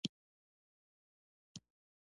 د انسان د بدن کنټرول د کوم غړي په لاس کې دی